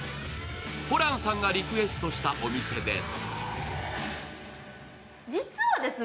ホランさんがリクエストしたお店です。